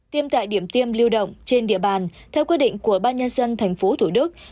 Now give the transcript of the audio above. tiêm tại điểm tiêm lưu động trên địa bàn theo quyết định của ban nhân dân tp hcm